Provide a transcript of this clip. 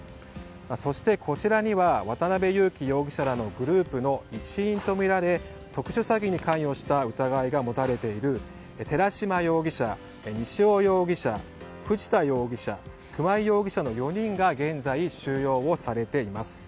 そしてこちらには渡辺優樹容疑者らのグループの一員とみられ特殊詐欺に関与した疑いが持たれている寺島容疑者、西尾容疑者藤田容疑者、熊井容疑者の４人が現在、収容をされています。